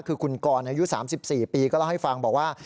คือคุณกรอายุ๓๔ปีก็เล่าให้ฟังบอกว่า